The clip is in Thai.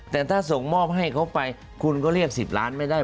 แต่ถ้าส่งมอบให้เขาไปคุณก็เรียก๑๐ล้านไม่ได้